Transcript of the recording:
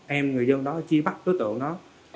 em người dân đó chỉ bắt đối tượng đó